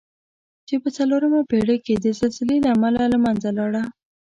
چې په څلورمه پېړۍ کې د زلزلې له امله له منځه لاړه.